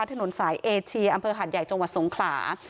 ถนนสายเอเชียอำเภอหาดใหญ่จังหวัดสงขลา